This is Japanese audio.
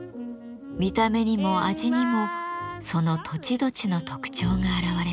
見た目にも味にもその土地土地の特徴が現れます。